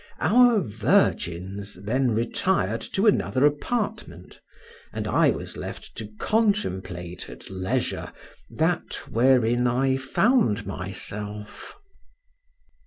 Our virgins then retired to another apartment, and I was left to contemplate, at leisure, that wherein I found myself.